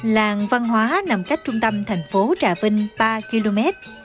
làng văn hóa nằm cách trung tâm thành phố trà vinh ba km